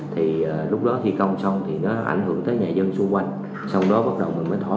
thì lúc đó thi công xong thì nó ảnh hưởng tới nhà dân xung quanh sau đó bắt đầu mình mới thói